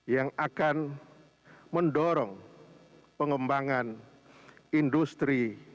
yang akan mendorong pengembangan industri